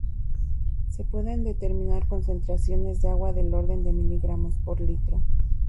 Se pueden determinar concentraciones de agua del orden de miligramos por litro.